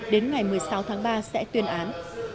đến ngày một mươi sáu tháng ba sẽ tuyên án